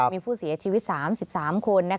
มีผู้เสียชีวิต๓๓คน